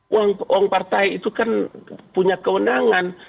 uang partai itu kan punya kewenangan